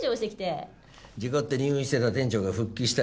事故って入院してた店長が復帰したか。